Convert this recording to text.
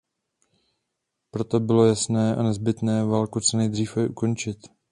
Proto bylo jasné a nezbytné válku co nejdříve ukončit.